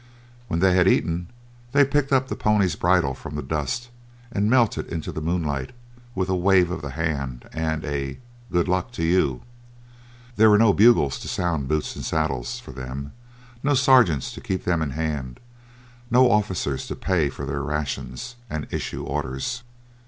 When they had eaten they picked up the pony's bridle from the dust and melted into the moonlight with a wave of the hand and a "good luck to you." There were no bugles to sound "boots and saddles" for them, no sergeants to keep them in hand, no officers to pay for their rations and issue orders.